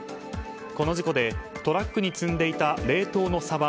この事故でトラックに積んでいた冷凍のサバ